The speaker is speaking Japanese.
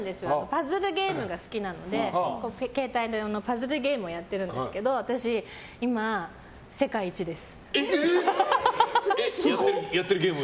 パズルゲームが好きなので携帯のパズルゲームをやってるんですけど私、今、世界一です。